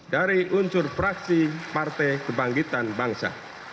dari unsur fraksi partai kebangkitan bangsa